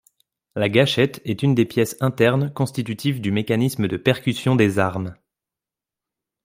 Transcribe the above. La gâchette est une des pièces internes constitutives du mécanisme de percussion des armes.